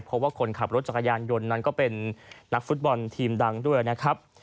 เพราะว่าคนขับรถจักรยานยนต์นั้นก็เป็นนักฟุตบอลทีมดังด้วยนะครับ